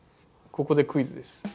ここでクイズです。